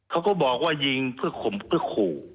เขาก็บอกว่ายิงเพื่อข่มเพื่อขู่